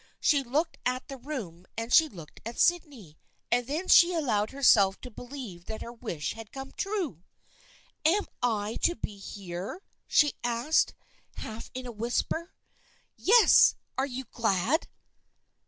She looked at the room and she looked at Sydney, and then she allowed herself to believe that her wish had come true. "Am I to be here?" she asked, half in a whisper. " Yes. Are you glad?"